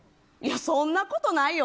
そんなことないよ。